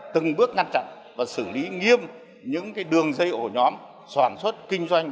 từng bước ngăn chặn và xử lý nghiêm những đường dây ổ nhóm sản xuất kinh doanh